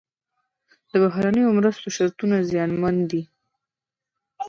د بهرنیو مرستو شرطونه زیانمن دي.